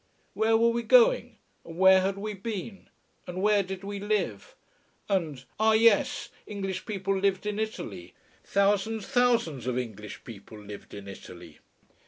Where were we going and where had we been and where did we live? And ah, yes, English people lived in Italy. Thousands, thousands of English people lived in Italy.